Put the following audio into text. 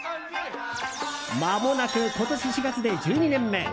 まもなく、今年４月で１２年目。